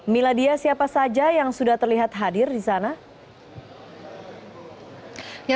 miladia siapa saja yang sudah terlihat hadir di sana